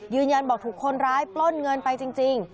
ยืนยันบอกถูกคนร้ายปล้นเงินไปจริง